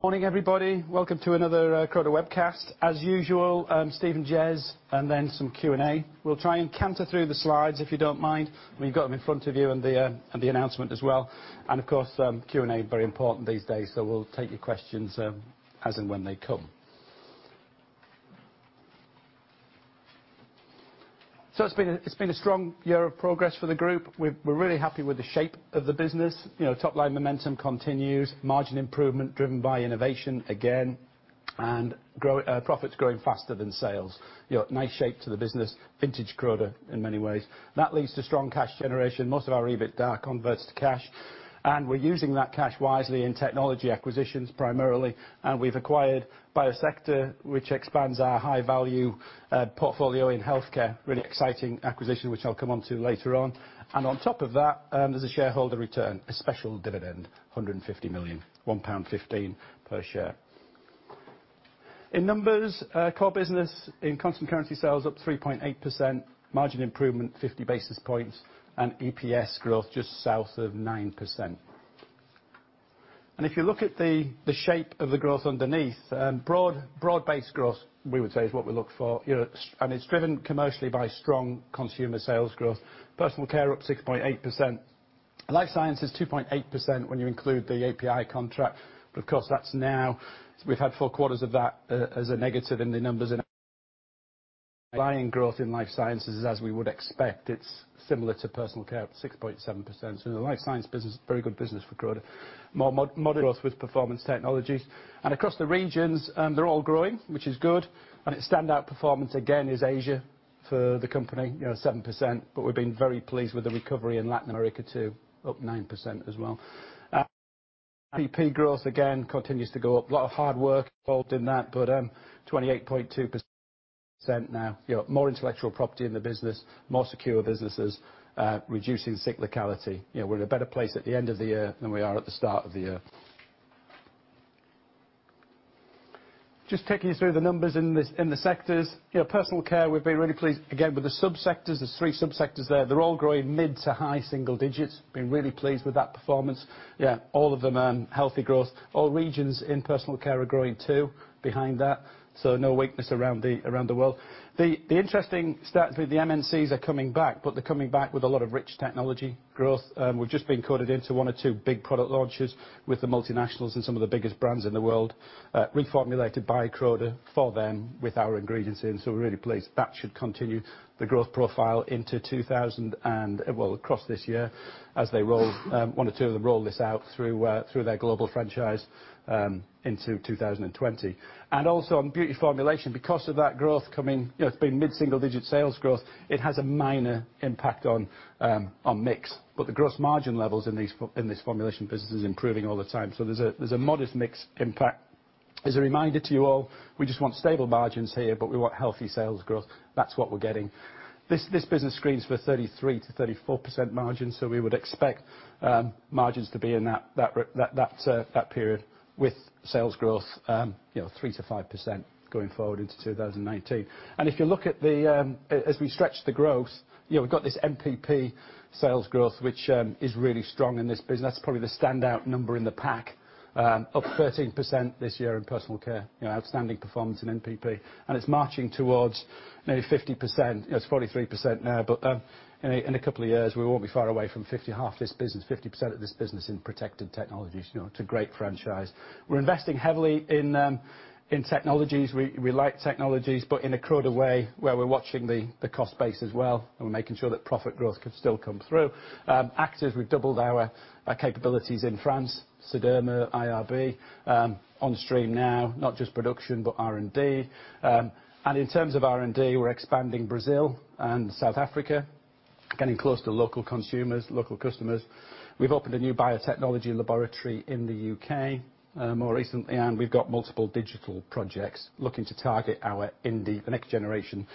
Morning, everybody. Welcome to another Croda webcast. As usual, Steve and Jez, and then some Q&A. We'll try and canter through the slides, if you don't mind. We've got them in front of you and the announcement as well. Of course, Q&A very important these days, so we'll take your questions as and when they come. It's been a strong year of progress for the group. We're really happy with the shape of the business. You know, top-line momentum continues. Margin improvement driven by innovation again, and grow- profits growing faster than sales. You know, nice shape to the business. Vintage Croda in many ways. That leads to strong cash generation. Most of our EBITDA converts to cash, and we're using that cash wisely in technology acquisitions primarily. We've acquired Biosector, which expands our high-value portfolio in Health Care. Really exciting acquisition, which I'll come on to later on. On top of that, there's a shareholder return, a special dividend, 150 million, 1.15 pound per share. In numbers, core business in constant currency sales up 3.8%, margin improvement 50 basis points, and EPS growth just south of 9%. If you look at the shape of the growth underneath, broad-based growth, we would say is what we look for. You know, it's driven commercially by strong consumer sales growth. Personal Care up 6.8%. Life Sciences, 2.8% when you include the API contract, of course that's now We've had four quarters of that as a negative in the numbers in growth in Life Sciences, as we would expect. It's similar to Personal Care at 6.7%. The Life Sciences business is very good business for Croda. More moderate growth with Performance Technologies. Across the regions, they're all growing, which is good. Its standout performance, again, is Asia for the company. You know, 7%, we've been very pleased with the recovery in Latin America too, up 9% as well. Growth, again, continues to go up. A lot of hard work involved in that, 28.2% now. You know, more intellectual property in the business, more secure businesses, reducing cyclicality. You know, we're in a better place at the end of the year than we are at the start of the year. Just taking you through the numbers in the sectors. You know, Personal Care, we've been really pleased, again, with the sub-sectors. There's three sub-sectors there. They're all growing mid to high single digits. Been really pleased with that performance. Yeah, all of them, healthy growth. All regions in Personal Care are growing too behind that. No weakness around the world. The interesting stat through the MNCs are coming back, but they're coming back with a lot of rich technology growth. We've just been coded into one or two big product launches with the multinationals and some of the biggest brands in the world, reformulated by Croda for them with our ingredients in. We're really pleased. That should continue the growth profile across this year as they roll, one or two of them roll this out through their global franchise into 2020. Also on beauty formulation. Because of that growth coming, you know, it's been mid-single-digit sales growth, it has a minor impact on mix, but the gross margin levels in these formulation businesses is improving all the time. There's a modest mix impact. As a reminder to you all, we just want stable margins here, but we want healthy sales growth. That's what we're getting. This business screens for 33%-34% margins. We would expect margins to be in that period with sales growth, you know, 3%-5% going forward into 2019. If you look at the, as we stretch the growth, you know, we've got this NPP sales growth, which is really strong in this business. That's probably the standout number in the pack. Up 13% this year in Personal Care. You know, outstanding performance in NPP. It's marching towards maybe 50%. You know, it's 43% now, but in a couple years we won't be far away from 50%. Half this business, 50% of this business in protected technologies. You know, it's a great franchise. We're investing heavily in technologies. We like technologies, but in a Croda way, where we're watching the cost base as well, and we're making sure that profit growth can still come through. Actives, we've doubled our capabilities in France, Sederma, IRB, on stream now, not just production, but R&D. In terms of R&D, we're expanding Brazil and South Africa, getting close to local consumers, local customers. We've opened a new biotechnology laboratory in the U.K. more recently, and we've got multiple digital projects looking to target our indie, the next generation,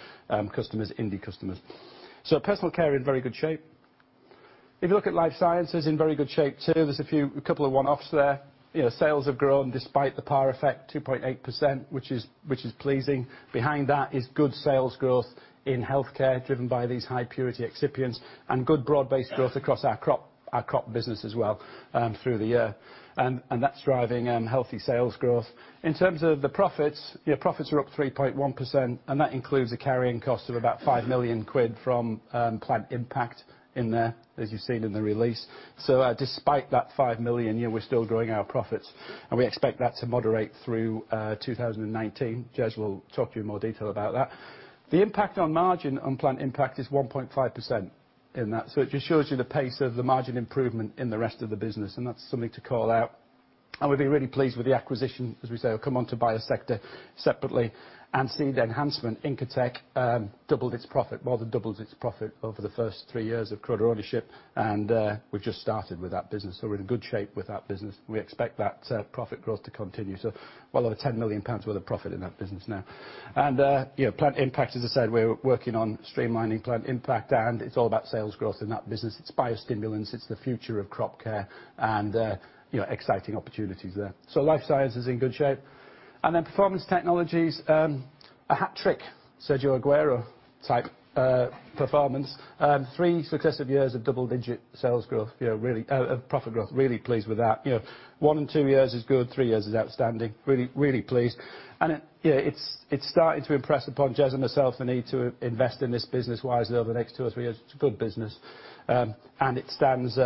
customers, indie customers. Personal Care in very good shape. If you look at Life Sciences, in very good shape too. There's a couple of one-offs there. You know, sales have grown despite the PAR effect, 2.8%, which is pleasing. Behind that is good sales growth in Health Care, driven by these high purity excipients, and good broad-based growth across our crop business as well through the year. That's driving healthy sales growth. In terms of the profits, yeah, profits are up 3.1%, and that includes a carrying cost of about 5 million quid from Plant Impact in there, as you've seen in the release. Despite that 5 million, you know, we're still growing our profits, and we expect that to moderate through 2019. Jez will talk to you in more detail about that. The impact on margin on Plant Impact is 1.5% in that. It just shows you the pace of the margin improvement in the rest of the business, and that's something to call out. We've been really pleased with the acquisition, as we say. I'll come on to Biosector separately. seed enhancement, Incotec, doubled its profit, more than doubled its profit over the first three years of Croda ownership. We've just started with that business. We're in good shape with that business. We expect that profit growth to continue. Well over 10 million pounds worth of profit in that business now. You know, Plant Impact, as I said, we're working on streamlining Plant Impact, and it's all about sales growth in that business. It's biostimulants, it's the future of crop care, you know, exciting opportunities there. Life Sciences is in good shape. Performance Technologies, a hat trick, Sergio Agüero type performance. Three successive years of double digit sales growth. You know, really profit growth, really pleased with that. You know, one, two years is good, three years is outstanding. Really, really pleased. It, yeah, it's starting to impress upon Jez and myself the need to invest in this business wisely over the next two or three years. It's a good business. It stands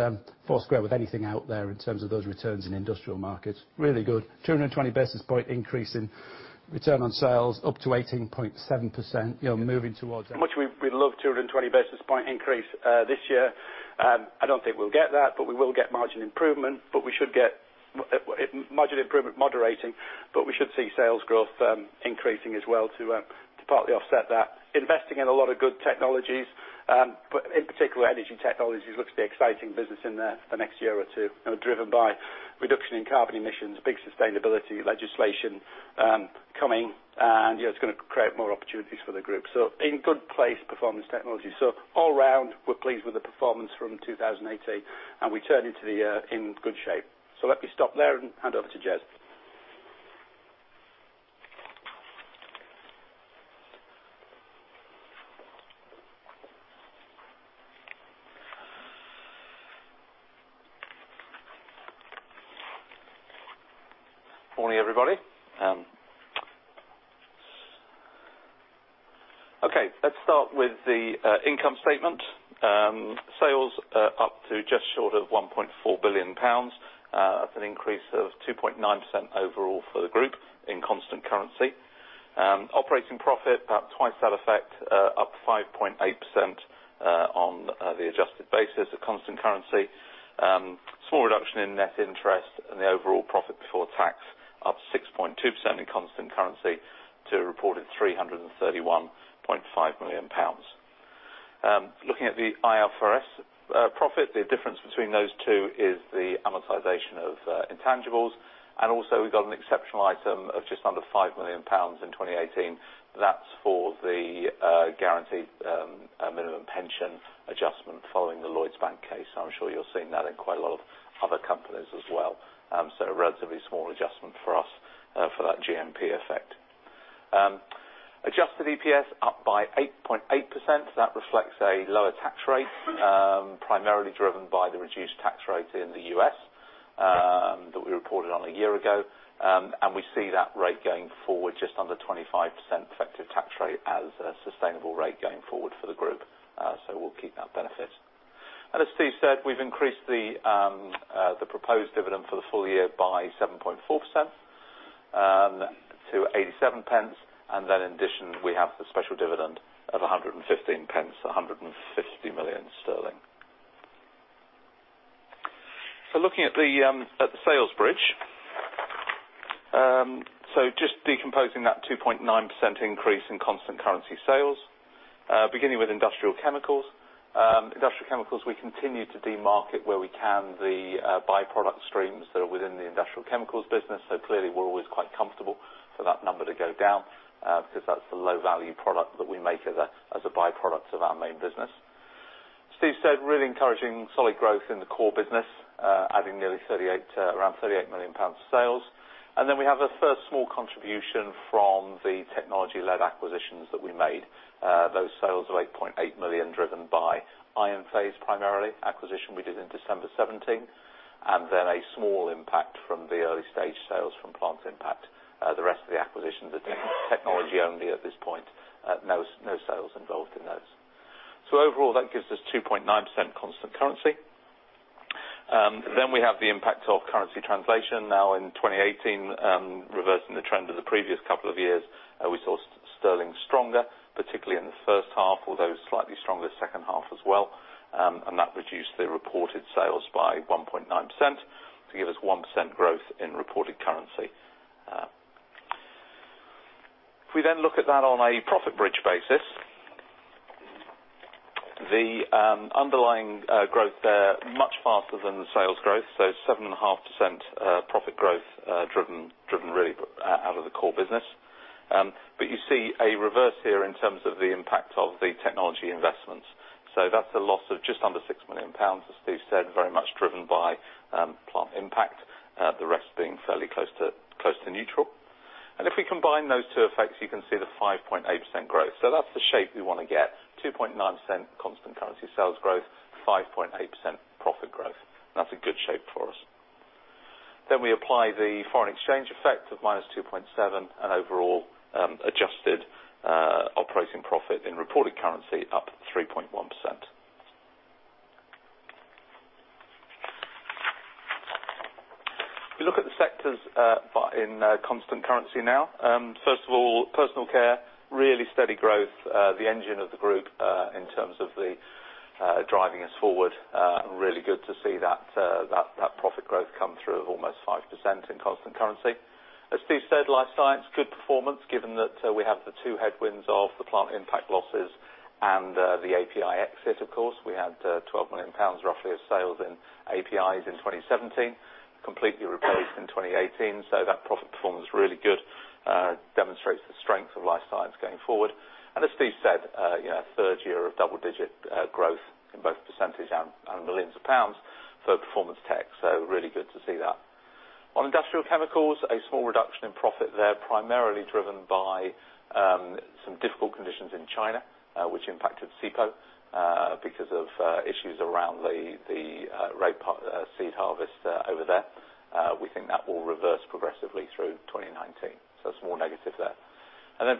foursquare with anything out there in terms of those returns in industrial markets. Really good. 220 basis points increase in return on sales, up to 18.7%. You know, we'd love 220 basis points increase this year. I don't think we'll get that, we will get margin improvement. We should get margin improvement moderating, we should see sales growth increasing as well to partly offset that. Investing in a lot of good technologies, in particular, energy technologies looks the exciting business in the next year or two. You know, driven by reduction in carbon emissions, big sustainability legislation coming, you know, it's gonna create more opportunities for the group. In good place, Performance Technologies. All around, we're pleased with the performance from 2018, we turn into the year in good shape. Let me stop there and hand over to Jez. Morning, everybody. Okay, let's start with the income statement. Sales up to just short of 1.4 billion pounds. That's an increase of 2.9% overall for the group in constant currency. Operating profit, about twice that effect, up 5.8% on the adjusted basis of constant currency. Small reduction in net interest and the overall profit before tax up 6.2% in constant currency to a reported 331.5 million pounds. Looking at the IFRS profit, the difference between those two is the amortization of intangibles. We've got an exceptional item of just under 5 million pounds in 2018. That's for the guaranteed minimum pension adjustment following the Lloyds Bank case. I'm sure you're seeing that in quite a lot of other companies as well. A relatively small adjustment for us for that GMP effect. Adjusted EPS up by 8.8%. That reflects a lower tax rate, primarily driven by the reduced tax rate in the U.S., that we reported on a year ago. We see that rate going forward just under 25% effective tax rate as a sustainable rate going forward for the group. We'll keep that benefit. As Steve said, we've increased the proposed dividend for the full year by 7.4% to 0.87. In addition, we have the special dividend of 1.15, 150 million sterling. Looking at the sales bridge. Just decomposing that 2.9% increase in constant currency sales. Beginning with Industrial Chemicals. Industrial Chemicals, we continue to demarket where we can the by-product streams that are within the Industrial Chemicals business. Clearly, we're always quite comfortable for that number to go down because that's the low value product that we make as a by-product of our main business. Steve said, really encouraging solid growth in the core business, adding nearly 38 million, around 38 million pounds of sales. We have a first small contribution from the technology-led acquisitions that we made. Those sales of 8.8 million driven by IonPhasE, primarily, acquisition we did in December 2017. A small impact from the early stage sales from Plant Impact. The rest of the acquisitions are technology only at this point. No sales involved in those. Overall, that gives us 2.9% constant currency. We have the impact of currency translation. In 2018, reversing the trend of the previous couple of years, we saw Sterling stronger, particularly in the first half, although slightly stronger second half as well. That reduced the reported sales by 1.9% to give us 1% growth in reported currency. If we then look at that on a profit bridge basis, the underlying growth there much faster than the sales growth, so 7.5% profit growth, driven out of the core business. You see a reverse here in terms of the impact of the technology investments. That's a loss of just under 6 million pounds, as Steve said, very much driven by Plant Impact, the rest being fairly close to neutral. If we combine those two effects, you can see the 5.8% growth. That's the shape we wanna get. 2.9% constant currency sales growth, 5.8% profit growth. That's a good shape for us. We apply the foreign exchange effect of -2.7%, an overall adjusted operating profit in reported currency up 3.1%. If we look at the sectors by, in constant currency now. First of all, Personal Care, really steady growth. The engine of the group in terms of the driving us forward. Really good to see that profit growth come through almost 5% in constant currency. As Steve said, Life Sciences, good performance, given that we have the two headwinds of the Plant Impact losses and the API exit, of course. We had 12 million pounds roughly of sales in APIs in 2017, completely replaced in 2018. That profit performance is really good, demonstrates the strength of Life Sciences going forward. As Steve said, you know, third year of double-digit growth in both percentage and millions of pounds for Performance Technologies, really good to see that. On Industrial Chemicals, a small reduction in profit there, primarily driven by some difficult conditions in China, which impacted Sipo, because of issues around the rapeseed harvest over there. We think that will reverse progressively through 2019. Small negative there.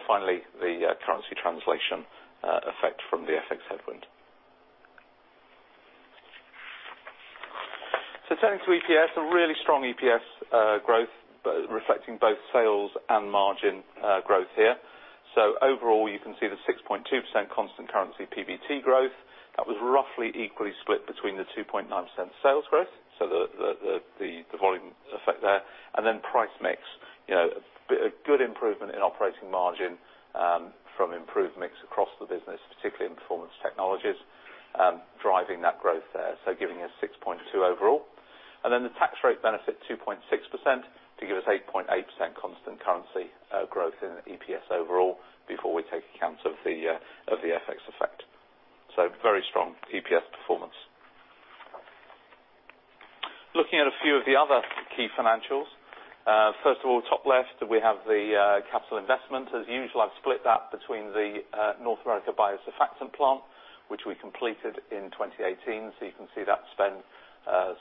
Finally, the currency translation effect from the FX headwind. Turning to EPS, a really strong EPS growth reflecting both sales and margin growth here. Overall, you can see the 6.2% constant currency PBT growth. That was roughly equally split between the 2.9% sales growth, so the volume effect there, and then price mix. You know, a good improvement in operating margin from improved mix across the business, particularly in Performance Technologies, driving that growth there. Giving us 6.2% overall. The tax rate benefit, 2.6% to give us 8.8% constant currency growth in EPS overall before we take account of the FX effect. Very strong EPS performance. Looking at a few of the other key financials. First of all, top left, we have the capital investment. As usual, I've split that between the North America biosurfactant plant, which we completed in 2018. You can see that spend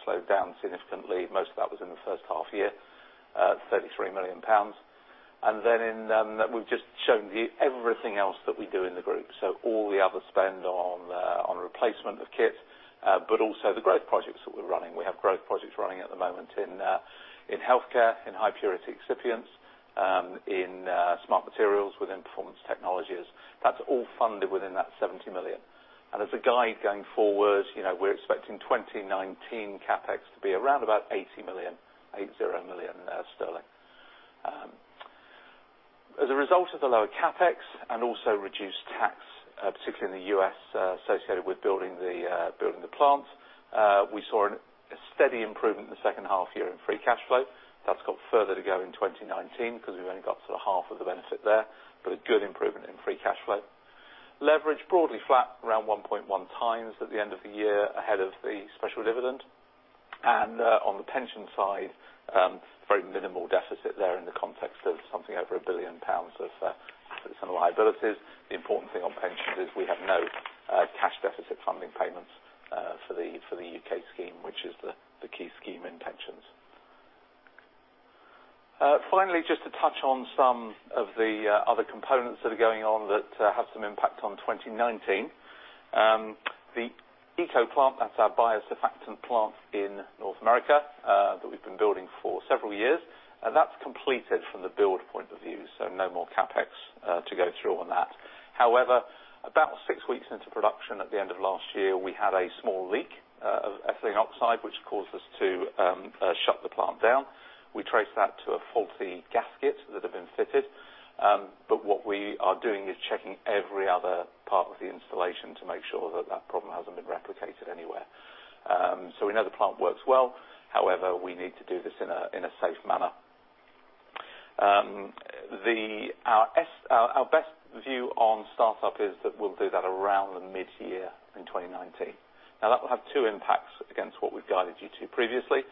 slowed down significantly. Most of that was in the first half year, 33 million pounds. In, we've just shown you everything else that we do in the group. All the other spend on replacement of kit, but also the growth projects that we're running. We have growth projects running at the moment in Health Care, in high purity excipients, in Smart Materials within Performance Technologies. That's all funded within that 70 million. As a guide going forward, we're expecting 2019 CapEx to be around about 80 million sterling. As a result of the lower CapEx and also reduced tax, particularly in the U.S., associated with building the plant, we saw a steady improvement in the second half year in free cash flow. That's got further to go in 2019 because we've only got sort of half of the benefit there, but a good improvement in free cash flow. Leverage broadly flat around 1.1x at the end of the year ahead of the special dividend. On the pension side, very minimal deficit there in the context of something over 1 billion pounds of some liabilities. The important thing on pensions is we have no cash deficit funding payments for the U.K. scheme, which is the key scheme in pensions. Finally, just to touch on some of the other components that are going on that have some impact on 2019. The ECO plant, that's our biosurfactant plant in North America, that we've been building for several years, and that's completed from the build point of view, so no more CapEx to go through on that. However, about six weeks into production at the end of last year, we had a small leak of ethylene oxide, which caused us to shut the plant down. We traced that to a faulty gasket that had been fitted. What we are doing is checking every other part of the installation to make sure that that problem hasn't been replicated anywhere. We know the plant works well. However, we need to do this in a safe manner. Our best view on startup is that we'll do that around the mid-year in 2019. That will have two impacts against what we've guided you to previously.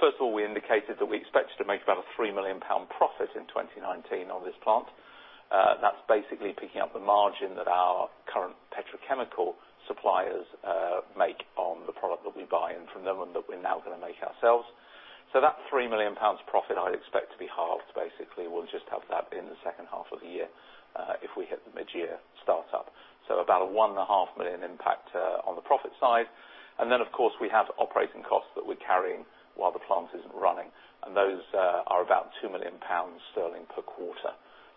First of all, we indicated that we expected to make about a 3 million pound profit in 2019 on this plant. That's basically picking up the margin that our current petrochemical suppliers make on the product that we buy in from them and that we're now gonna make ourselves. That 3 million pounds profit I expect to be halved. Basically, we'll just have that in the second half of the year, if we hit the mid-year start up. About a 1.5 million impact on the profit side. Of course, we have operating costs that we're carrying while the plant isn't running, and those are about 2 million sterling per quarter.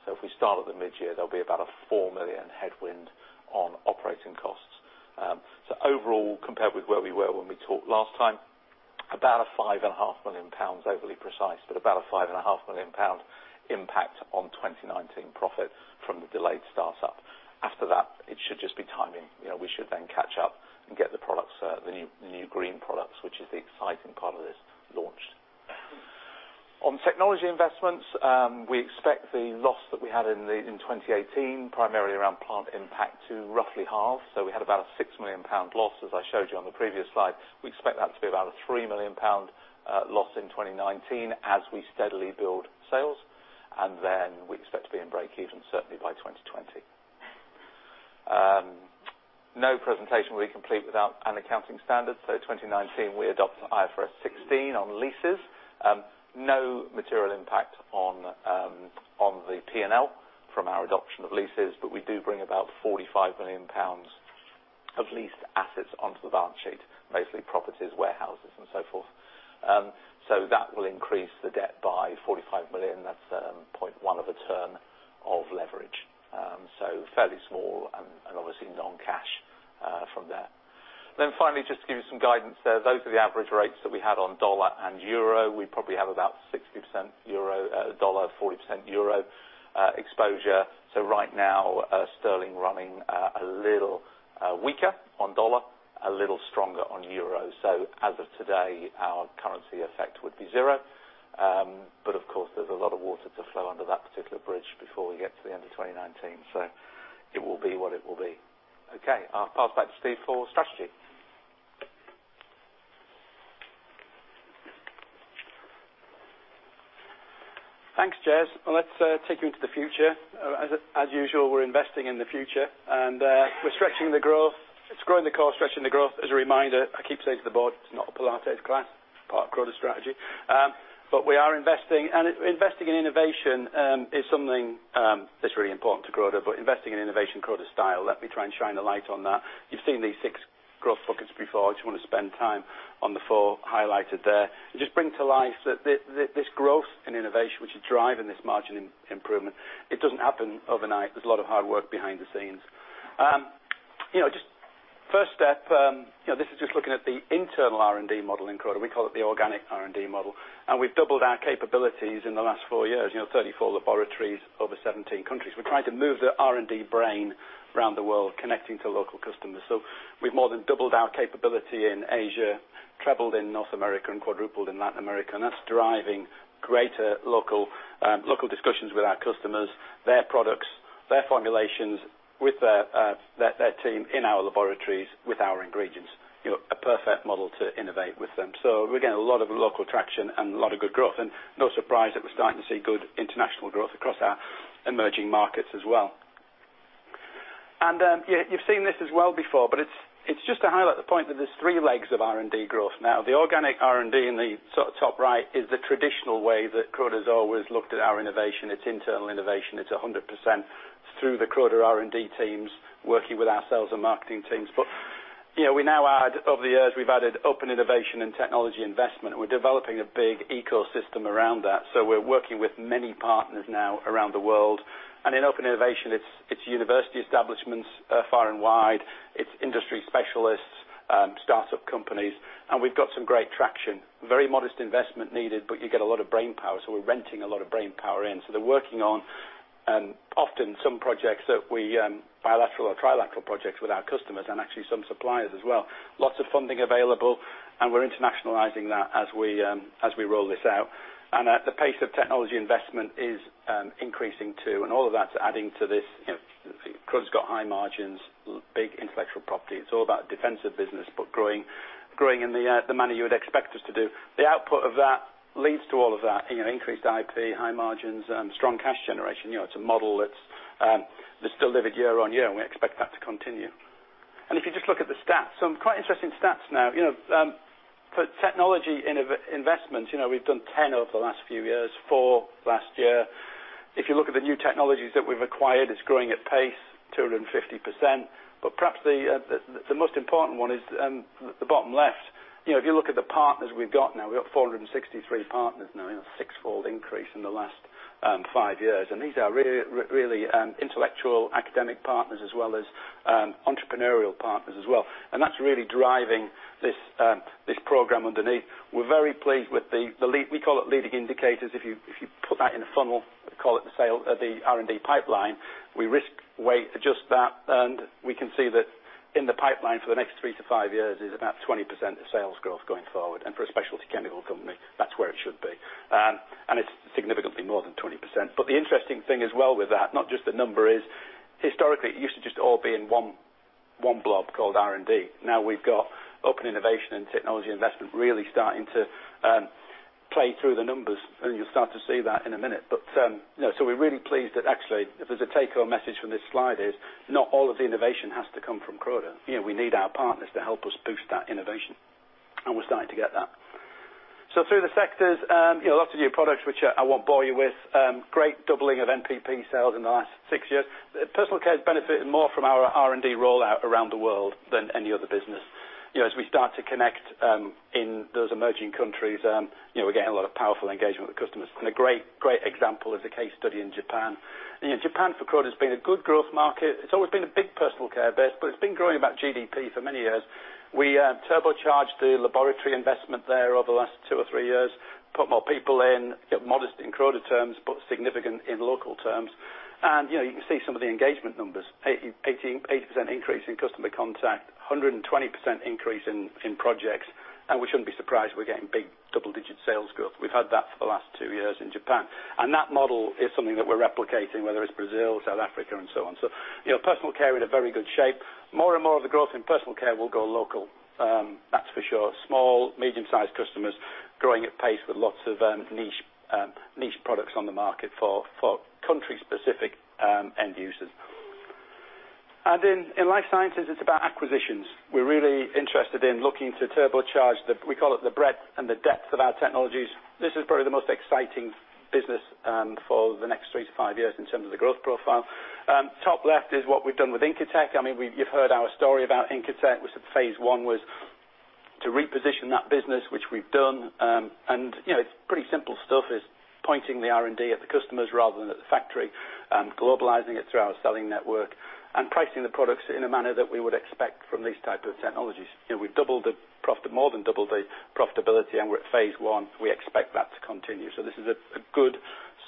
If we start at the mid-year, there'll be about a 4 million headwind on operating costs. Overall, compared with where we were when we talked last time, about a 5.5 million pounds, overly precise, but about a 5.5 million pound impact on 2019 profit from the delayed start up. After that, it should just be timing. You know, we should catch up and get the products, the new green products, which is the exciting part of this launch. On technology investments, we expect the loss that we had in 2018, primarily around Plant Impact to roughly halve. We had about a 6 million pound loss, as I showed you on the previous slide. We expect that to be about a 3 million pound loss in 2019 as we steadily build sales. We expect to be in break-even certainly by 2020. No presentation will be complete without an accounting standard. 2019, we adopt IFRS 16 on leases. No material impact on the P&L from our adoption of leases, but we do bring about 45 million pounds of leased assets onto the balance sheet, basically properties, warehouses and so forth. So that will increase the debt by 45 million. That's 0.1 of a term of leverage. Fairly small and obviously non-cash from there. Finally, just to give you some guidance there. Those are the average rates that we had on USD and EUR. We probably have about 60% USD, 40% EUR exposure. Right now, Sterling running a little weaker on USD, a little stronger on EUR. As of today, our currency effect would be zero. Of course, there's a lot of water to flow under that particular bridge before we get to the end of 2019. It will be what it will be. Okay, I'll pass back to Steve for strategy. Thanks, Jez. Let's take you into the future. As usual, we're investing in the future. We're stretching the growth. It's growing the core, stretching the growth. As a reminder, I keep saying to the board, it's not a Pilates class, part of Croda's strategy. We are investing in innovation is something that's really important to Croda, investing in innovation Croda style. Let me try and shine a light on that. You've seen these six growth buckets before. I just want to spend time on the four highlighted there. Just bring to life that this growth in innovation which is driving this margin improvement, it doesn't happen overnight. There's a lot of hard work behind the scenes. You know, just first step, you know, this is just looking at the internal R&D model in Croda. We call it the organic R&D model. We've doubled our capabilities in the last four years. You know, 34 laboratories over 17 countries. We're trying to move the R&D brain around the world, connecting to local customers. We've more than doubled our capability in Asia, trebled in North America, and quadrupled in Latin America. That's driving greater local discussions with our customers, their products, their formulations with their team in our laboratories with our ingredients. You know, a perfect model to innovate with them. We're getting a lot of local traction and a lot of good growth. No surprise that we're starting to see good international growth across our emerging markets as well. Yeah, you've seen this as well before, but it's just to highlight the point that there's three legs of R&D growth. The organic R&D in the sort of top right is the traditional way that Croda's always looked at our innovation. It's internal innovation. It's 100% through the Croda R&D teams working with our sales and marketing teams. You know, over the years, we've added open innovation and technology investment. We're developing a big ecosystem around that, we're working with many partners now around the world. In open innovation, it's university establishments, far and wide. It's industry specialists, startup companies, and we've got some great traction. Very modest investment needed, you get a lot of brainpower, we're renting a lot of brainpower in. They're working on, often some projects that we, bilateral or trilateral projects with our customers and actually some suppliers as well. Lots of funding available, we're internationalizing that as we roll this out. At the pace of technology investment is increasing too. All of that's adding to this, you know, Croda's got high margins, big intellectual property. It's all about defensive business, but growing in the manner you would expect us to do. The output of that leads to all of that, you know, increased IP, high margins, strong cash generation. You know, it's a model that's delivered year on year, we expect that to continue. If you just look at the stats, some quite interesting stats now. You know, for technology investment, you know, we've done 10 over the last few years, four last year. If you look at the new technologies that we've acquired, it's growing at pace, 250%. Perhaps the most important one is the bottom left. You know, if you look at the partners we've got now, we've got 463 partners now, you know, sixfold increase in the last five years. These are really intellectual academic partners as well as entrepreneurial partners as well. That's really driving this program underneath. We're very pleased with the leading indicators. If you put that in a funnel, call it the R&D pipeline, we risk weight adjust that, and we can see that in the pipeline for the next three to five years is about 20% sales growth going forward. For a specialty chemical company, that's where it should be. It's significantly more than 20%. The interesting thing as well with that, not just the number is historically, it used to just all be in one blob called R&D. Now we've got open innovation and technology investment really starting to play through the numbers, and you'll start to see that in a minute. You know, we're really pleased that actually, if there's a take-home message from this slide is not all of the innovation has to come from Croda. You know, we need our partners to help us boost that innovation, and we're starting to get that. Through the sectors, you know, lots of new products which I won't bore you with. Great doubling of NPP sales in the last six years. Personal Care has benefited more from our R&D rollout around the world than any other business. You know, as we start to connect in those emerging countries, you know, we're getting a lot of powerful engagement with customers. A great example is the case study in Japan. You know, Japan for Croda has been a good growth market. It's always been a big personal care base, but it's been growing about GDP for many years. We turbocharged the laboratory investment there over the last two or three years, put more people in, yet modest in Croda terms, but significant in local terms. You know, you can see some of the engagement numbers. 80% increase in customer contact, 120% increase in projects, we shouldn't be surprised we're getting big double-digit sales growth. We've had that for the last two years in Japan. That model is something that we're replicating, whether it's Brazil, South Africa, and so on. You know, Personal Care in a very good shape. More and more of the growth in Personal Care will go local, that's for sure. Small, medium-sized customers growing at pace with lots of niche products on the market for country-specific end users. In Life Sciences, it's about acquisitions. We're really interested in looking to turbocharge we call it the breadth and the depth of our technologies. This is probably the most exciting business for the next three to five years in terms of the growth profile. Top left is what we've done with Incotec. I mean, you've heard our story about Incotec, which at Phase 1 was to reposition that business, which we've done. You know, it's pretty simple stuff, is pointing the R&D at the customers rather than at the factory, globalizing it through our selling network, and pricing the products in a manner that we would expect from these type of technologies. You know, we've more than doubled the profitability, and we're at phase I. We expect that to continue. This is a good,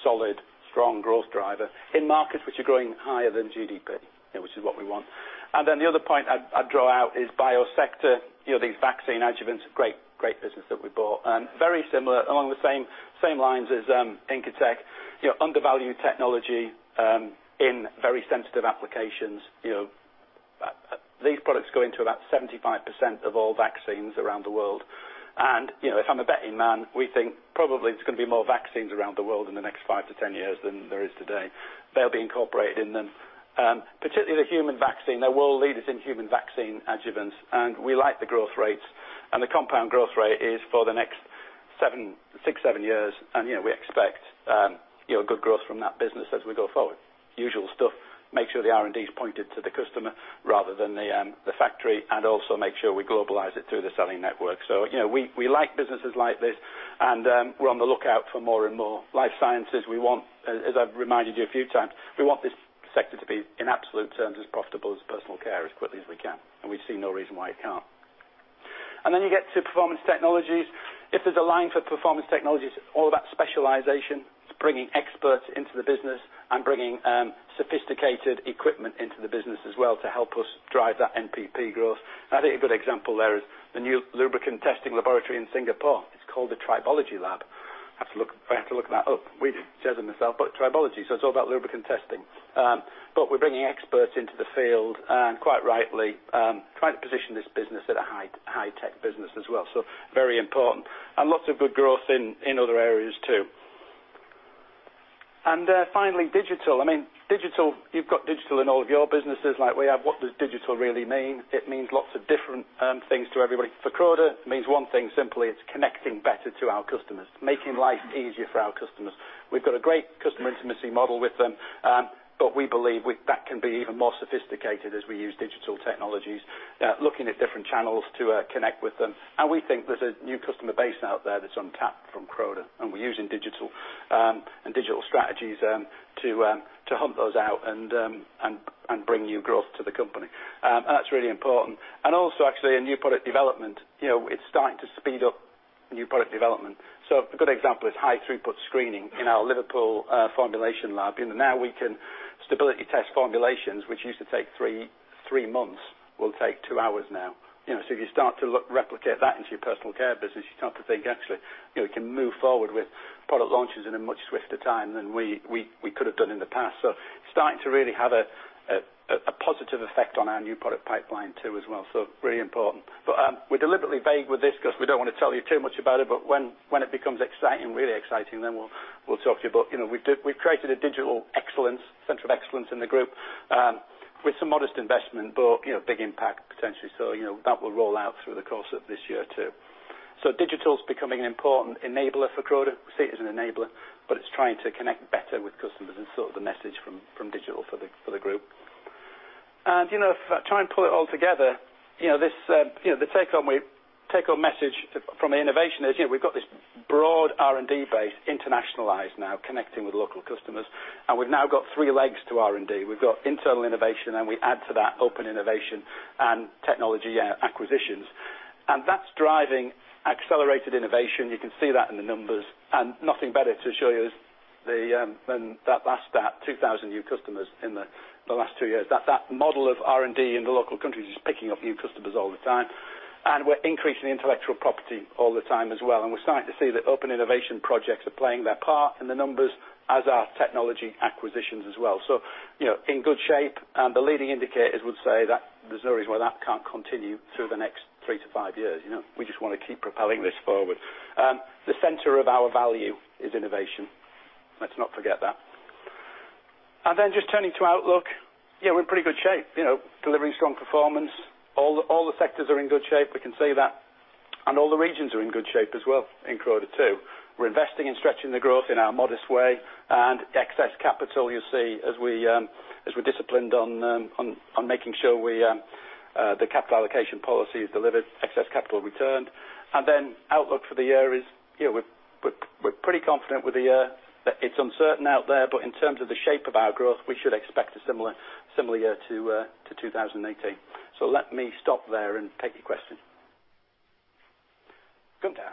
solid, strong growth driver in markets which are growing higher than GDP, you know, which is what we want. The other point I'd draw out is Biosector. You know, these vaccine adjuvants, great business that we bought. Very similar, along the same lines as Incotec. You know, undervalued technology, in very sensitive applications. These products go into about 75% of all vaccines around the world. You know, if I'm a betting man, we think probably it's gonna be more vaccines around the world in the next 5-10 years than there is today. They'll be incorporated in them. Particularly the human vaccine. They were leaders in human vaccine adjuvants, and we like the growth rates. The compound growth rate is for the next six, seven years. You know, we expect, you know, good growth from that business as we go forward. Usual stuff, make sure the R&D is pointed to the customer rather than the factory, and also make sure we globalize it through the selling network. You know, we like businesses like this, and we're on the lookout for more and more. Life Sciences, we want, as I've reminded you a few times, we want this sector to be, in absolute terms, as profitable as Personal Care as quickly as we can, and we see no reason why it can't. You get to Performance Technologies. If there's a line for Performance Technologies, all about specialization. It's bringing experts into the business and bringing sophisticated equipment into the business as well to help us drive that NPP growth. I think a good example there is the new lubricant testing laboratory in Singapore. It's called the Tribology Lab. I have to look that up. We did, Jez and myself, but tribology, so it's all about lubricant testing. We're bringing experts into the field and quite rightly, trying to position this business at a high-tech business as well. Very important. Lots of good growth in other areas too. Finally, digital. I mean, digital, you've got digital in all of your businesses like we have. What does digital really mean? It means lots of different things to everybody. For Croda, it means one thing simply it's connecting better to our customers, making life easier for our customers. We've got a great customer intimacy model with them, but we believe that can be even more sophisticated as we use digital technologies. Looking at different channels to connect with them. We think there's a new customer base out there that's untapped from Croda, and we're using digital and digital strategies to hunt those out and bring new growth to the company. That's really important. Also actually a new product development. You know, it's starting to speed up new product development. A good example is high throughput screening in our Liverpool formulation lab. You know, now we can stability test formulations which used to take three months will take two hours now. You know, if you start to replicate that into your Personal Care business, you start to think actually, you know, we can move forward with product launches in a much swifter time than we could have done in the past. Starting to really have a positive effect on our new product pipeline too as well. Really important. We're deliberately vague with this because we don't want to tell you too much about it. When it becomes exciting, really exciting, then we'll talk to you. You know, we've created a digital excellence, center of excellence in the group, with some modest investment, but, you know, big impact potentially. You know, that will roll out through the course of this year too. Digital is becoming an important enabler for Croda. See it as an enabler, but it's trying to connect better with customers and sort of the message from digital for the group. You know, if I try and pull it all together, you know, this, you know, the take-home message from the innovation is, you know, we've got this broad R&D base internationalized now connecting with local customers, and we've now got three legs to R&D. We've got internal innovation, and we add to that open innovation and technology acquisitions. That's driving accelerated innovation. You can see that in the numbers. Nothing better to show you is than that last stat, 2,000 new customers in the last two years. That model of R&D in the local countries is picking up new customers all the time, and we're increasing intellectual property all the time as well. We're starting to see that open innovation projects are playing their part in the numbers as are technology acquisitions as well. You know, in good shape, and the leading indicators would say that there's no reason why that can't continue through the next three to five years. You know, we just wanna keep propelling this forward. The center of our value is innovation. Let's not forget that. Just turning to outlook. We're in pretty good shape, you know, delivering strong performance. All the sectors are in good shape. We can say that. All the regions are in good shape as well in Croda too. We're investing in stretching the growth in our modest way and excess capital you see as we, as we're disciplined on making sure we, the capital allocation policy is delivered, excess capital returned. Outlook for the year is, you know, we're pretty confident with the year. It's uncertain out there, but in terms of the shape of our growth, we should expect a similar year to 2018. Let me stop there and take your question. Gunther.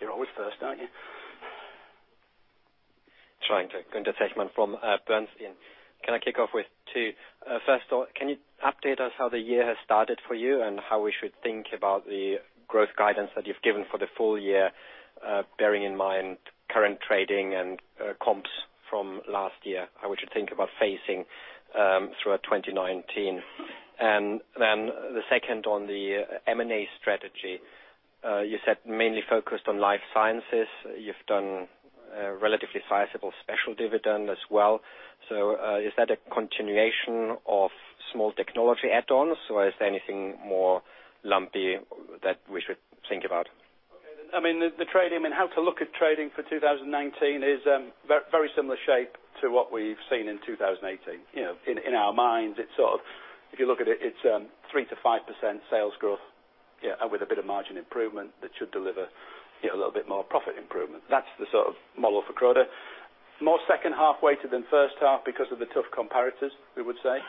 You're always first, aren't you? Trying to. Gunther Zechmann from Bernstein. Can I kick off with two? First off, can you update us how the year has started for you and how we should think about the growth guidance that you've given for the full year, bearing in mind current trading and comps from last year? How would you think about phasing throughout 2019? Then the second on the M&A strategy. You said mainly focused on Life Sciences. You've done a relatively sizable special dividend as well. Is that a continuation of small technology add-ons, or is there anything more lumpy that we should think about? Okay. I mean, the trading, I mean, how to look at trading for 2019 is very similar shape to what we've seen in 2018. You know, in our minds, it's sort of if you look at it's 3% to 5% sales growth. Yeah, with a bit of margin improvement, that should deliver, you know, a little bit more profit improvement. That's the sort of model for Croda. More second half weighted than first half because of the tough comparators, we would say.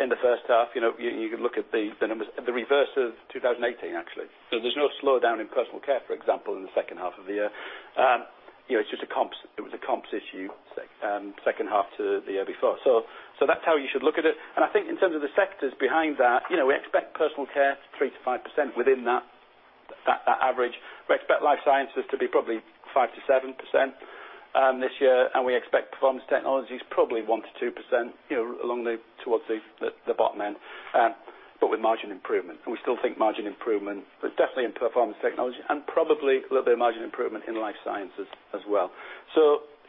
In the first half, you know, you can look at the numbers, the reverse of 2018, actually. There's no slowdown in Personal Care, for example, in the second half of the year. You know, it's just a comps, it was a comps issue second half to the year before. That's how you should look at it. I think in terms of the sectors behind that, you know, we expect Personal Care 3% to 5% within that average. We expect Life Sciences to be probably 5% to 7% this year, and we expect Performance Technologies probably 1% to 2%, you know, along the, towards the bottom end. With margin improvement. We still think margin improvement, but definitely in Performance Technologies and probably a little bit of margin improvement in Life Sciences as well.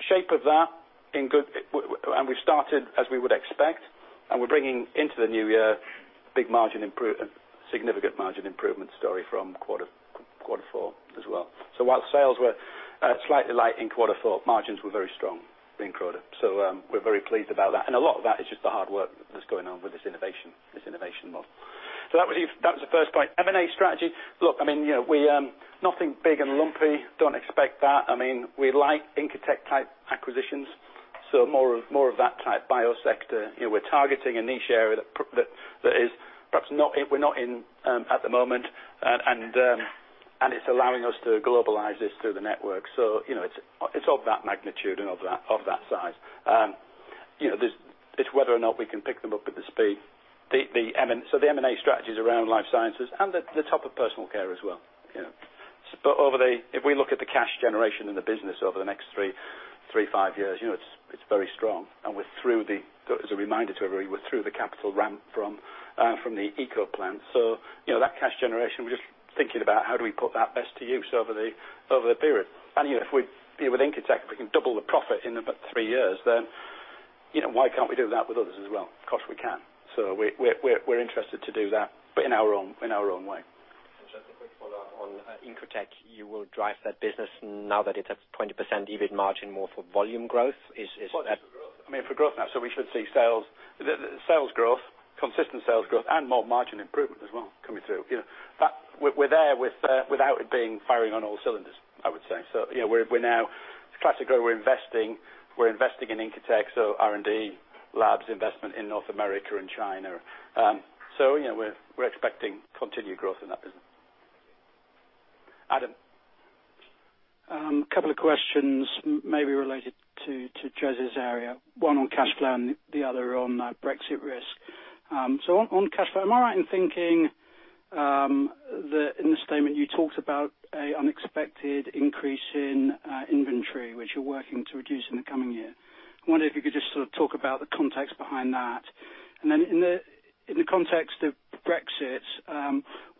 Shape of that in good. We've started as we would expect, we're bringing into the new year significant margin improvement story from Q4 as well. While sales were slightly light in quarter four, margins were very strong in quarter. We're very pleased about that, and a lot of that is just the hard work that's going on with this innovation, this innovation model. That was the first point. M&A strategy. Look, I mean, you know, we, nothing big and lumpy. Don't expect that. I mean, we like Incotec-type acquisitions, more of that type Biosector. You know, we're targeting a niche area that is perhaps not in, we're not in at the moment. It's allowing us to globalize this through the network. You know, it's of that magnitude and of that size. You know, it's whether or not we can pick them up at the speed. The M&A strategy is around Life Sciences and the top of Personal Care as well, you know. If we look at the cash generation in the business over the next three, five years, you know, it's very strong. We're through the, as a reminder to everybody, we're through the capital ramp from the ECO plant. You know, that cash generation, we're just thinking about how do we put that best to use over the period. You know, if we, with Incotec, we can double the profit in about three years, you know, why can't we do that with others as well? Of course, we can. We're interested to do that, but in our own way. Just a quick follow-up on Incotec. You will drive that business now that it's at 20% EBIT margin more for volume growth. Is that? Well, I mean, for growth now. We should see sales growth, consistent sales growth and more margin improvement as well coming through. You know, we're there without it being firing on all cylinders, I would say. You know, we're now Classically, we're investing in Incotec, so R&D labs investment in North America and China. You know, we're expecting continued growth in that business. Adam. Couple of questions maybe related to Jez's area. One on cash flow and the other on Brexit risk. On, on cash flow, am I right in thinking that in the statement you talked about a unexpected increase in inventory, which you're working to reduce in the coming year? I wonder if you could just sort of talk about the context behind that. In the, in the context of Brexit,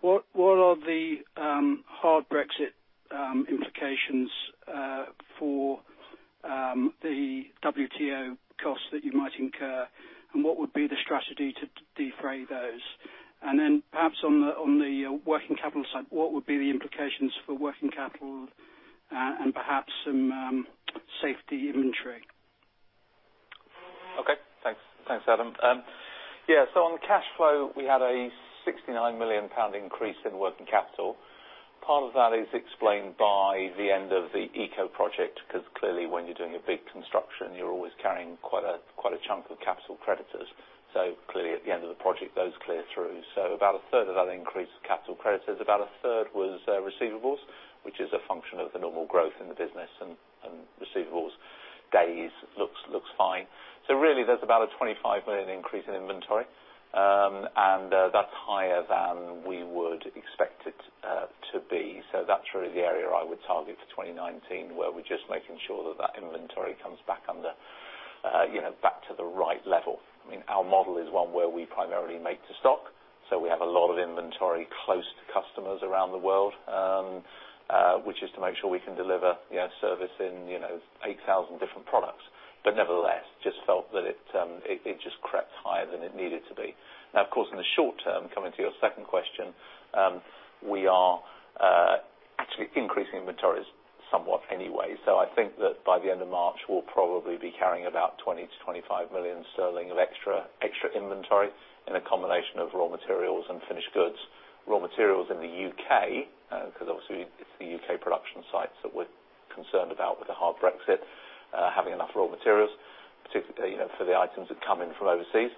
what are the hard Brexit implications for the WTO costs that you might incur, and what would be the strategy to defray those? Perhaps on the, on the working capital side, what would be the implications for working capital, and perhaps some safety inventory? Thanks. Thanks, Adam. On cash flow, we had a 69 million pound increase in working capital. Part of that is explained by the end of the ECO project, because clearly, when you're doing a big construction, you're always carrying quite a chunk of capital creditors. Clearly, at the end of the project, those clear through. About a third of that increase of capital creditors, about a third was receivables, which is a function of the normal growth in the business and receivables days. Looks fine. Really, there's about a 25 million increase in inventory, and that's higher than we would expect it to be. That's really the area I would target for 2019, where we're just making sure that that inventory comes back under, you know, back to the right level. I mean, our model is one where we primarily make to stock, so we have a lot of inventory close to customers around the world, which is to make sure we can deliver, you know, service in, you know, 8,000 different products. Nevertheless, just felt that it just crept higher than it needed to be. Now, of course, in the short term, coming to your second question, we are actually increasing inventories somewhat anyway. I think that by the end of March, we'll probably be carrying about 20 million-25 million sterling of extra inventory in a combination of raw materials and finished goods. Raw materials in the U.K., 'cause obviously it's the U.K. production sites that we're concerned about with a hard Brexit, having enough raw materials, particularly, you know, for the items that come in from overseas,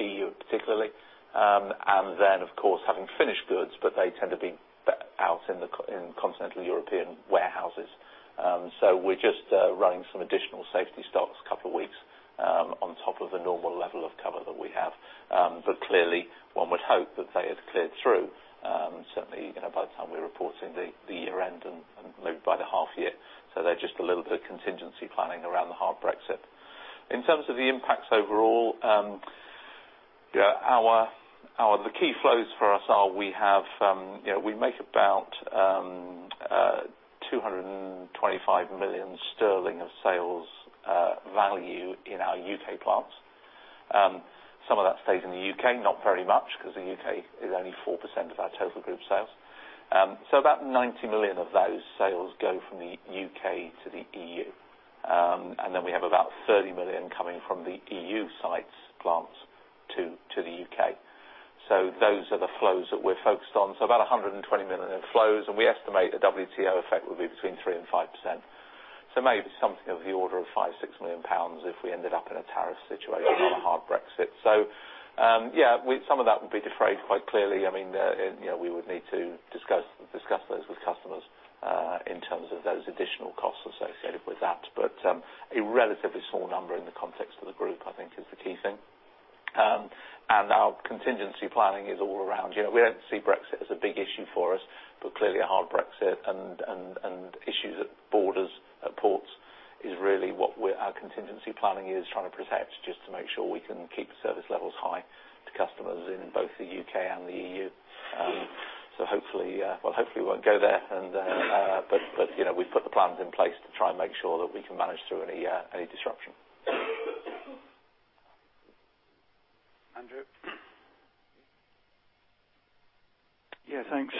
EU particularly. Then, of course, having finished goods, but they tend to be out in continental European warehouses. We're just running some additional safety stocks couple weeks on top of the normal level of cover that we have. Clearly, one would hope that they had cleared through, certainly, you know, by the time we're reporting the year-end and maybe by the half year. They're just a little bit of contingency planning around the hard Brexit. In terms of the impacts overall, The key flows for us are we have, you know, we make about 225 million sterling of sales value in our U.K. plants. Some of that stays in the U.K., not very much, 'cause the U.K. is only 4% of our total group sales. About 90 million of those sales go from the U.K. to the EU. We have about 30 million coming from the EU sites, plants to the U.K. Those are the flows that we're focused on. About 120 million in flows, and we estimate the WTO effect would be between 3%-5%. Maybe something of the order of 5 million, 6 million pounds if we ended up in a tariff situation on a hard Brexit. Some of that would be defrayed quite clearly. I mean, you know, we would need to discuss those with customers in terms of those additional costs associated with that. A relatively small number in the context of the group, I think is the key thing. Our contingency planning is all around. You know, we don't see Brexit as a big issue for us, but clearly a hard Brexit and issues at borders, at ports is really what our contingency planning is trying to protect, just to make sure we can keep service levels high to customers in both the U.K. and the E.U. Hopefully, well, hopefully, we won't go there and, but, you know, we've put the plans in place to try and make sure that we can manage through any disruption. Andrew. Thanks.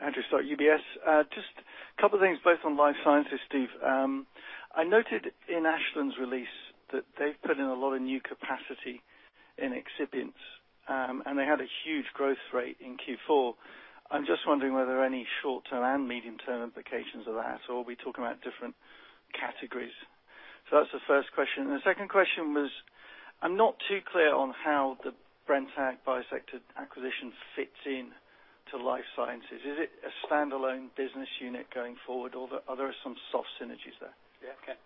Andrew Stott, UBS. Just a couple things, both on Life Sciences, Steve. I noted in Ashland's release that they've put in a lot of new capacity in excipients, and they had a huge growth rate in Q4. I'm just wondering were there any short-term and medium-term implications of that, or are we talking about different categories? That's the first question. The second question was, I'm not too clear on how the Brenntag Biosector acquisition fits in to Life Sciences. Is it a standalone business unit going forward, or are there some soft synergies there? Yeah. Okay.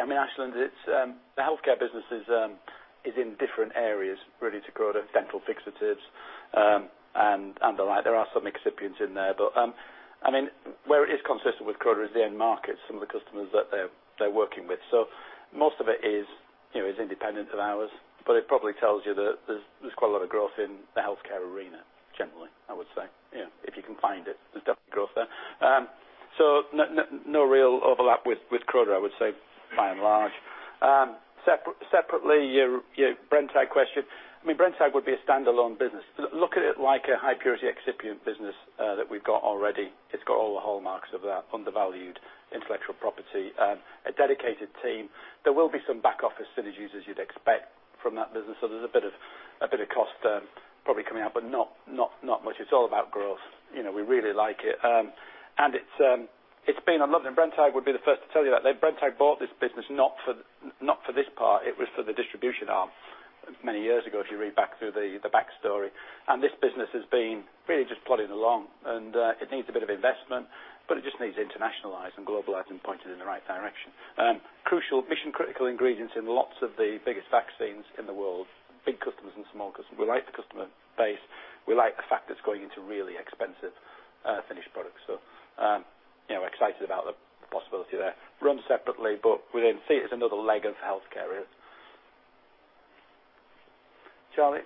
I mean, Ashland, it's the Health Care business is in different areas really to Croda. Dental fixatives and the like. There are some excipients in there. I mean, where it is consistent with Croda is the end markets, some of the customers that they're working with. Most of it is, you know, is independent of ours, but it probably tells you that there's quite a lot of growth in the Health Care arena generally, I would say. You know, if you can find it, there's definitely growth there. No real overlap with Croda, I would say by and large. Separately, your Brenntag question. I mean, Brenntag would be a standalone business. Look at it like a high purity excipient business that we've got already. It's got all the hallmarks of that. Undervalued intellectual property, a dedicated team. There will be some back office synergies as you'd expect from that business. There's a bit of, a bit of cost probably coming out, but not much. It's all about growth. You know, we really like it. Brenntag would be the first to tell you that. Brenntag bought this business not for this part. It was for the distribution arm many years ago, if you read back through the backstory. This business has been really just plodding along, it needs a bit of investment, but it just needs to internationalize and globalize and point it in the right direction. Crucial mission critical ingredients in lots of the biggest vaccines in the world. Big customers and small customers. We like the customer base. We like the fact it's going into really expensive, finished products. We are, you know, excited about the possibility there. Run separately, but we then see it as another leg of Health Care, really. Charlie.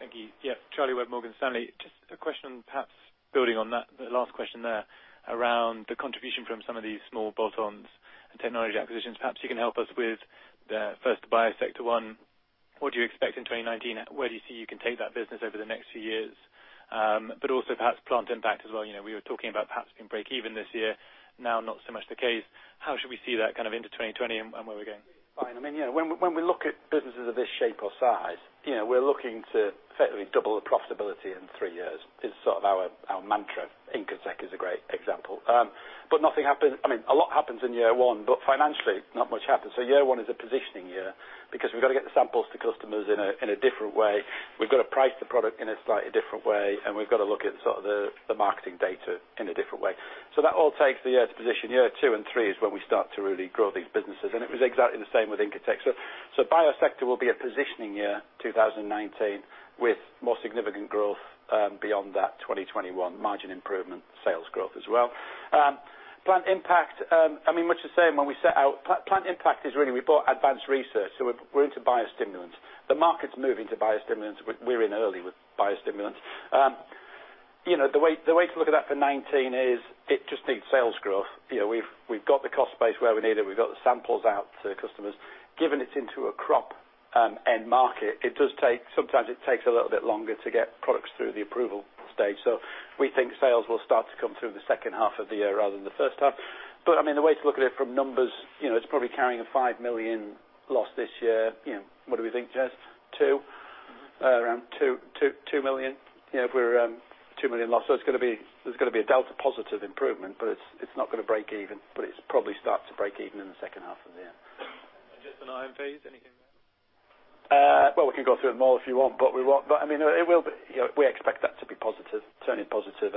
Thank you. Yeah, Charlie Webb, Morgan Stanley. Just a question, perhaps building on that, the last question there, around the contribution from some of these small bolt-ons and technology acquisitions. Perhaps you can help us with the first Biosector one. What do you expect in 2019? Where do you see you can take that business over the next few years? Also perhaps Plant Impact as well. You know, we were talking about perhaps it can break even this year. Now, not so much the case. How should we see that kind of into 2020 and where we're going? Fine. I mean, you know, when we look at businesses of this shape or size, you know, we're looking to effectively double the profitability in three years, is sort of our mantra. Incotec is a great example. Nothing happens. I mean, a lot happens in year one, financially, not much happens. Year one is a positioning year because we've got to get the samples to customers in a different way. We've got to price the product in a slightly different way, we've got to look at sort of the marketing data in a different way. That all takes the year to position. Year two and three is when we start to really grow these businesses, it was exactly the same with Incotec. Biosector will be a positioning year, 2019, with more significant growth beyond that, 2021. Margin improvement, sales growth as well. Plant Impact, I mean, much the same. When we set out Plant Impact is really, we bought advanced research, so we're into biostimulants. The market's moving to biostimulants. We're in early with biostimulants. You know, the way to look at that for 2019 is it just needs sales growth. You know, we've got the cost base where we need it. We've got the samples out to customers. Given it's into a crop end market, sometimes it takes a little bit longer to get products through the approval stage. We think sales will start to come through in the second half of the year rather than the first half. I mean, the way to look at it from numbers, you know, it's probably carrying a 5 million loss this year. You know, what do we think, Jez? 2 million? Around 2 million? Yeah, if we're, 2 million loss. It's gonna be, there's gonna be a delta positive improvement, but it's not gonna break even, but it's probably start to break even in the second half of the year. Just on IMPs], anything there? Well, we can go through it more if you want, I mean, it will be you know, we expect that to be positive, turning positive.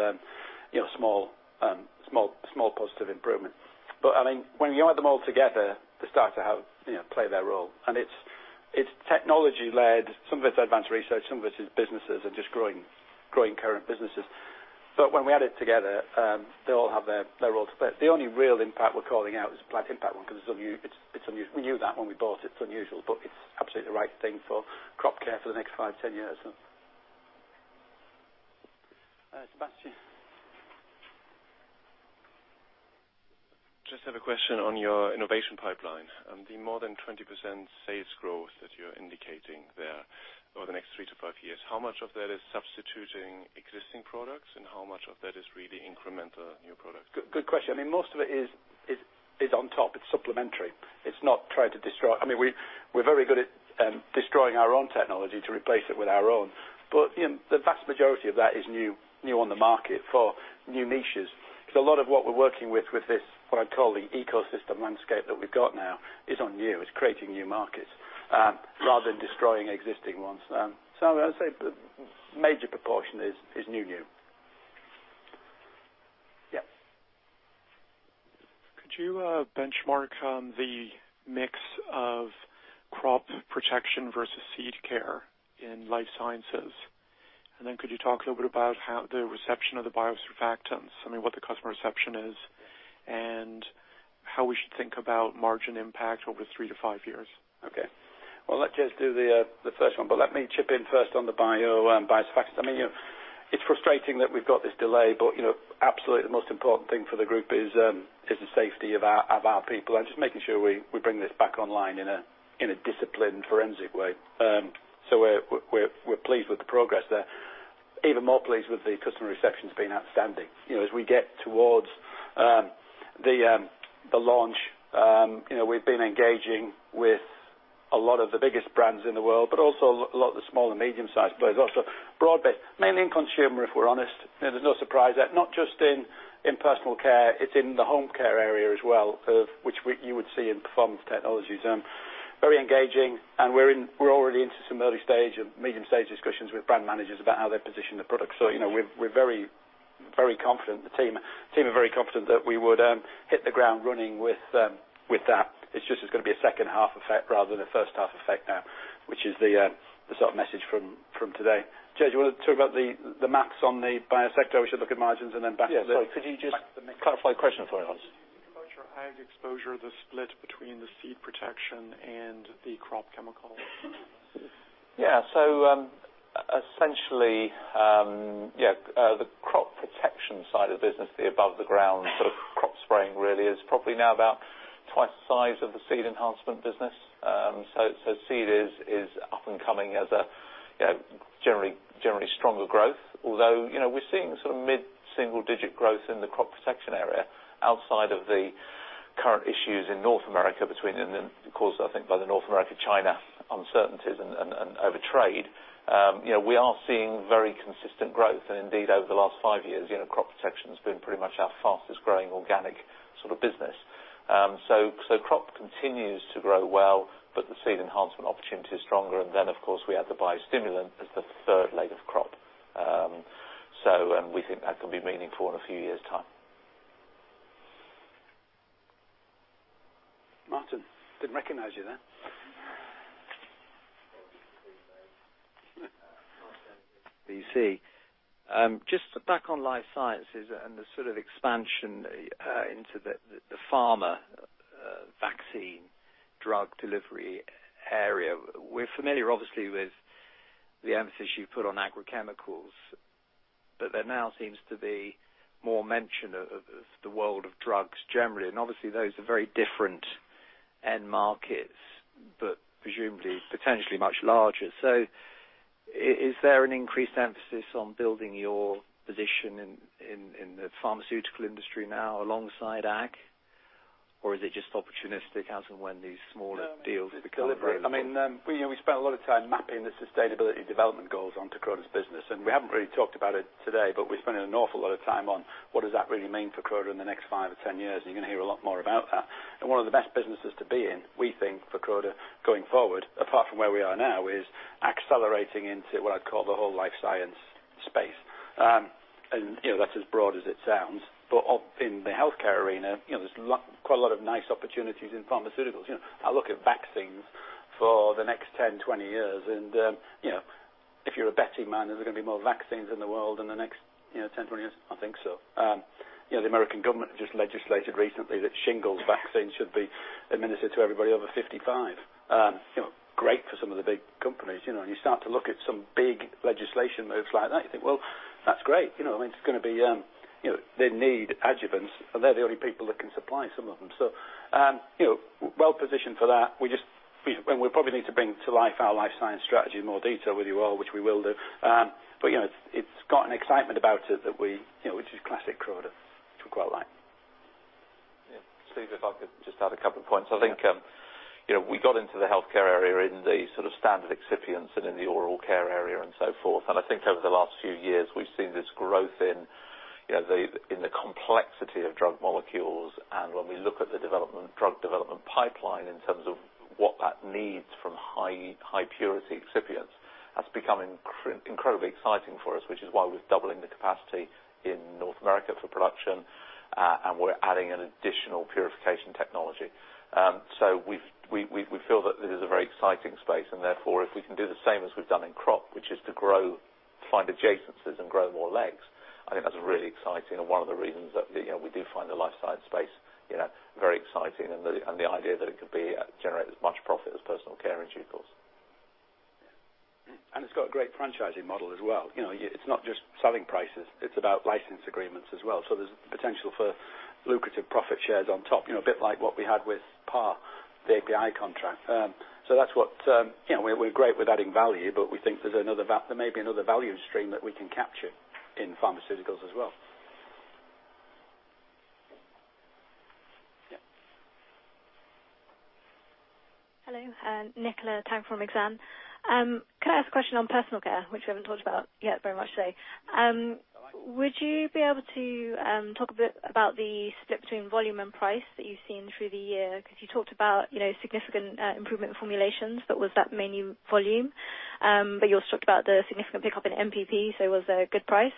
You know, small positive improvement. I mean, when you add them all together, they start to have, you know, play their role. It's technology led. Some of it's advanced research, some of it is businesses are just growing current businesses. When we add it together, they all have their role to play. The only real impact we're calling out is the Plant Impact one, 'cause we knew that when we bought it. It's unusual, but it's absolutely the right thing for Crop Protection for the next five, 10 years. Sebastian. Just have a question on your innovation pipeline. The more than 20% sales growth that you're indicating there over the next three to five years, how much of that is substituting existing products, and how much of that is really incremental new products? Good, good question. I mean, most of it is on top. It's supplementary. It's not trying to destroy. I mean, we're very good at destroying our own technology to replace it with our own. You know, the vast majority of that is new on the market for new niches. A lot of what we're working with this, what I'd call the ecosystem landscape that we've got now, is on new. It's creating new markets, rather than destroying existing ones. I would say the major proportion is new. Yes. Could you benchmark the mix of Crop Protection versus seed care in Life Sciences? Could you talk a little bit about how the reception of the biosurfactants, I mean, what the customer reception is, and how we should think about margin impact over three to five years? Okay. Well, I'll let Jez do the first one, but let me chip in first on the bio biosurfactants. I mean, you know, it's frustrating that we've got this delay, but, you know, absolutely the most important thing for the group is the safety of our people and just making sure we bring this back online in a disciplined, forensic way. We're pleased with the progress there. Even more pleased with the customer reception's been outstanding. You know, as we get towards the launch, you know, we've been engaging with a lot of the biggest brands in the world, but also a lot of the small and medium-sized players. Broad-based, mainly in consumer, if we're honest. You know, there's no surprise there. Not just in Personal Care, it's in the home care area as well, you would see in Performance Technologies. Very engaging, we're already into some early stage and medium stage discussions with brand managers about how they position the product. You know, we're very, very confident. The team are very confident that we would hit the ground running with that. It's just it's gonna be a second half effect rather than a first half effect now, which is the sort of message from today. Jez, you wanna talk about the maps on the Biosector? We should look at margins and then- Yeah, sorry. Back to the mix. Could you just clarify your question before I answer? Can you talk about your ag exposure, the split between the seed protection and the crop chemical? Yeah. Essentially, the Crop Protection side of the business, the above the ground sort of crop spraying really is probably now about twice the size of the seed enhancement business. Seed is up and coming as a, you know, generally stronger growth. Although, you know, we're seeing sort of mid-single digit growth in the Crop Protection area outside of the current issues in North America between, and then caused, I think, by the North America/China uncertainties and over trade. You know, we are seeing very consistent growth. Indeed, over the last five years, you know, Crop Protection has been pretty much our fastest-growing organic sort of business. Crop continues to grow well, but the seed enhancement opportunity is stronger. Then, of course, we have the biostimulant as the third leg of crop. We think that can be meaningful in a few years' time. Martin, didn't recognize you there. [BC]. Just back on Life Sciences and the sort of expansion into the pharma, vaccine, drug delivery area. We're familiar obviously with the emphasis you've put on agrochemicals, but there now seems to be more mention of the world of drugs generally. Obviously those are very different end markets, but presumably potentially much larger. Is there an increased emphasis on building your position in the pharmaceutical industry now alongside ag? Or is it just opportunistic as and when these smaller deals become available? No, I mean, the delivery. I mean, we, you know, we spent a lot of time mapping the Sustainable Development Goals onto Croda's business. We haven't really talked about it today, but we're spending an awful lot of time on what does that really mean for Croda in the next five or 10 years, and you're gonna hear a lot more about that. One of the best businesses to be in, we think, for Croda going forward, apart from where we are now, is accelerating into what I'd call the whole life science space. You know, that's as broad as it sounds. Up in the Health Care arena, you know, there's quite a lot of nice opportunities in pharmaceuticals. You know, I look at vaccines for the next 10, 20 years, and, you know, if you're a betting man, is there gonna be more vaccines in the world in the next, you know, 10, 20 years? I think so. You know, the American government just legislated recently that shingles vaccine should be administered to everybody over 55. You know, great for some of the big companies. You know, you start to look at some big legislation moves like that, you think, "Well, that's great." You know what I mean? It's gonna be, you know, they need adjuvants, and they're the only people that can supply some of them. You know, well-positioned for that. We probably need to bring to life our Life Sciences strategy in more detail with you all, which we will do. You know, it's got an excitement about it that we, you know, which is classic Croda, which we quite like. Yeah. Steve, if I could just add a couple points. Yeah. I think, you know, we got into the Health Care area in the sort of standard excipients and in the oral care area and so forth. I think over the last few years, we've seen this growth in, you know, the, in the complexity of drug molecules. When we look at the development, drug development pipeline in terms of what that needs from high purity excipients, that's becoming incredibly exciting for us, which is why we're doubling the capacity in North America for production and we're adding an additional purification technology. We feel that this is a very exciting space, and therefore, if we can do the same as we've done in crop, which is to grow, find adjacencies and grow more legs, I think that's really exciting and 1 of the reasons that, you know, we do find the Life Sciences space, you know, very exciting and the, and the idea that it could be generate as much profit as Personal Care in due course. It's got a great franchising model as well. You know, it's not just selling prices, it's about license agreements as well. There's potential for lucrative profit shares on top, you know, a bit like what we had with Par, the API contract. That's what, you know, we're great with adding value, but we think there's another there may be another value stream that we can capture in pharmaceuticals as well. Hello. Nicola Tang from Exane. Can I ask a question on Personal Care, which we haven't talked about yet very much today? Would you be able to talk a bit about the split between volume and price that you've seen through the year? 'Cause you talked about, you know, significant improvement in formulations, but was that mainly volume? You also talked about the significant pickup in NPP, so was there good price?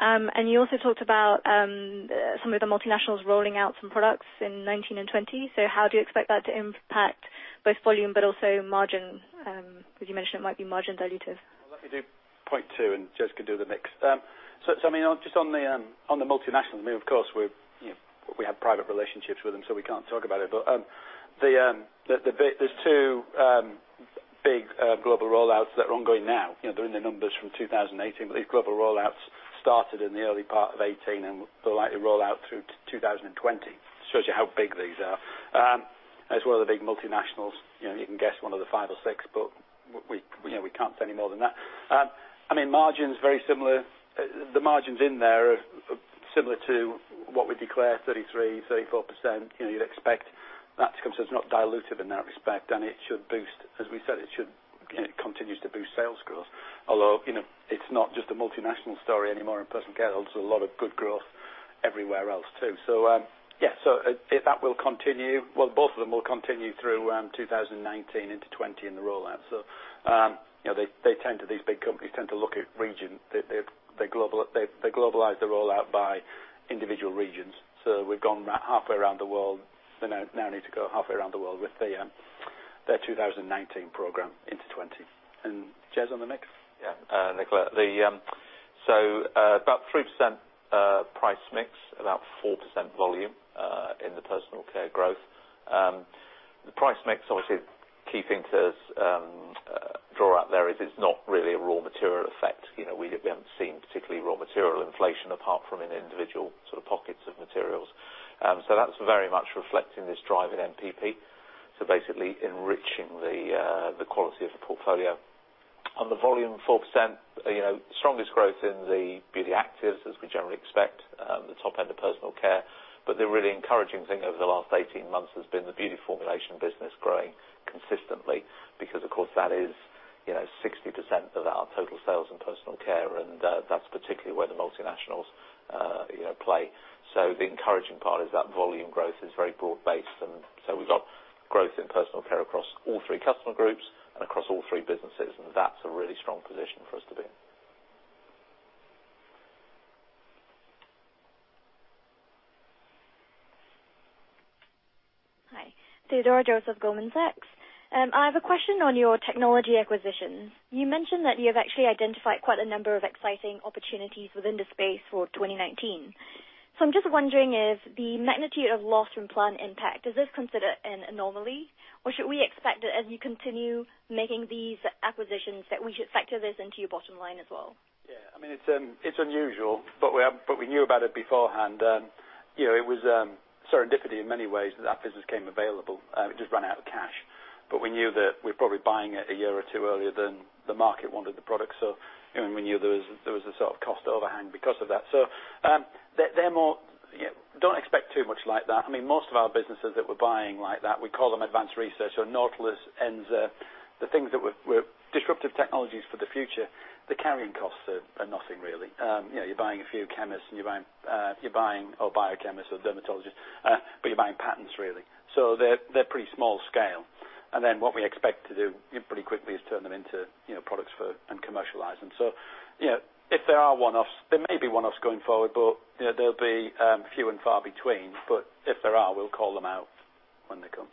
You also talked about some of the multinationals rolling out some products in 2019 and 2020. How do you expect that to impact both volume but also margin? As you mentioned, it might be margin dilutive. Well, let me do point two, and Jez can do the mix. I mean, just on the multinational, I mean, of course, we're, you know, we have private relationships with them, we can't talk about it. There's two big global rollouts that are ongoing now. You know, they're in the numbers from 2018, these global rollouts started in the early part of 2018, they're likely to roll out through 2020, shows you how big these are. As one of the big multinationals, you know, you can guess one of the five or six, we, you know, we can't say any more than that. I mean, margin's very similar. The margins in there are similar to what we declare, 33%, 34%. You know, you'd expect that to come. It's not diluted in that respect. It should boost, as we said, it continues to boost sales growth. You know, it's not just a multinational story anymore in Personal Care. There's a lot of good growth everywhere else too. That will continue. Well, both of them will continue through 2019 into 2020 in the rollout. You know, they tend to, these big companies tend to look at region. They globalize the rollout by individual regions. We've gone halfway around the world. They now need to go halfway around the world with their 2019 program into 2020. Jez on the mix. Yeah, Nicola, the about 3% price mix, about 4% volume in the Personal Care growth. The price mix obviously the key thing to draw out there is it's not really a raw material effect. You know, we haven't seen particularly raw material inflation apart from in individual sort of pockets of materials. That's very much reflecting this drive in NPP. Basically enriching the quality of the portfolio. On the volume, 4%, you know, strongest growth in the beauty actives, as we generally expect, the top end of Personal Care. The really encouraging thing over the last 18 months has been the beauty formulation business growing consistently because, of course, that is, you know, 60% of our total sales in Personal Care, and that's particularly where the multinationals, you know, play. The encouraging part is that volume growth is very broad-based. We've got growth in Personal Care across all three customer groups and across all three businesses, and that's a really strong position for us to be in. Hi. Theodora Joseph of Goldman Sachs. I have a question on your technology acquisition. You mentioned that you have actually identified quite a number of exciting opportunities within the space for 2019. I'm just wondering if the magnitude of loss from Plant Impact, is this considered an anomaly, or should we expect that as you continue making these acquisitions, that we should factor this into your bottom line as well? Yeah. I mean, it's unusual, but we knew about it beforehand. You know, it was serendipity in many ways that that business came available. It just ran out of cash. We knew that we're probably buying it a year or two earlier than the market wanted the product. You know, and we knew there was a sort of cost overhang because of that. They're more, you know, don't expect too much like that. I mean, most of our businesses that we're buying like that, we call them advanced research, so Nautilus, Enza, the things that we're disruptive technologies for the future, the carrying costs are nothing really. You know, you're buying a few chemists, and you're buying, or biochemists or dermatologists, but you're buying patents really. They're pretty small scale. What we expect to do pretty quickly is turn them into, you know, products for and commercialize them. You know, if there are one-offs, there may be one-offs going forward, but, you know, they'll be few and far between. If there are, we'll call them out when they come.